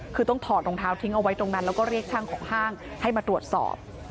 คือต้องถอดรองเท้าทิ้งเอาไว้ตรงนั้นแล้วก็เรียกช่างของห้างให้มาตรวจสอบ